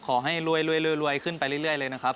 ขอให้รวยขึ้นไปเรื่อยเลยนะครับ